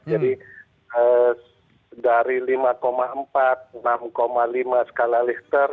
jadi dari lima empat enam lima skala lister